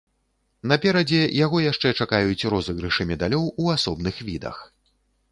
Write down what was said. Наперадзе яго яшчэ чакаюць розыгрышы медалёў у асобных відах.